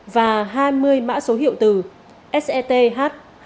và hai mươi mã số hiệu từ seth hai nghìn hai mươi năm một